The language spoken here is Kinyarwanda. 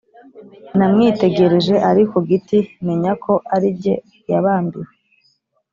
Namwitegereje ari ku giti menya ko arijye yabambiwe